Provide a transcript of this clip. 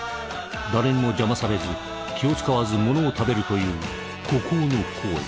誰にも邪魔されず気を遣わずものを食べるという孤高の行為。